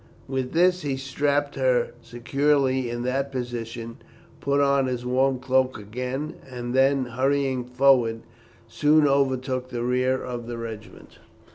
With this he strapped her securely in that position, put on his warm cloak again, and then, hurrying forward, soon overtook the rear of his regiment.